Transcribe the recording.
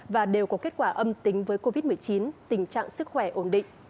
và đều có kết quả âm tính với covid một mươi chín tình trạng sức khỏe ổn định